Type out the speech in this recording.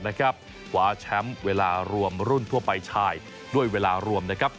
ขวาแชมป์เวลารวมรุ่นทั่วไปชายด้วยเวลารวมนะครับ